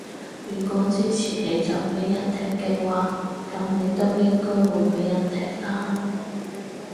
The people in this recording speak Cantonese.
如果支持你就畀人踢嘅話，噉你都應該會畀人踢啦